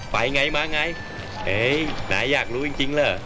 ไปไงมาไงเอ้ยไหนอยากรู้จริงเหรอ